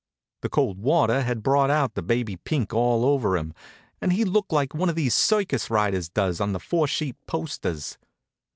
The cold water had brought out the baby pink all over him, and he looked like one of these circus riders does on the four sheet posters.